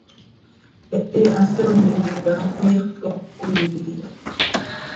Hehe hascám tintica iixöt cop cöquit iha.